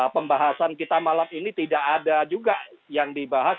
pembahasan kita malam ini tidak ada juga yang dibahas